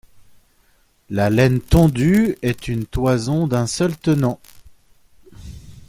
La laine tondue est une toison d'un seul tenant.